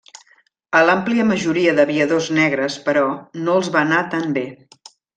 A l'àmplia majoria d'aviadors negres, però, no els va anar tan bé.